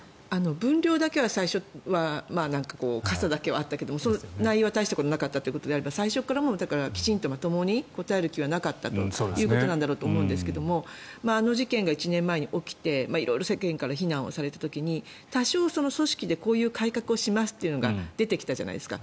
分量だけは最初はかさだけはあったけどその内容は大したことがなかったということであれば最初からきちんとまともに答える気はなかったんだと思いますがあの事件が１年前に起きて色々、世間から非難された時に多少、組織でこういう改革をしますというのが出てきたじゃないですか。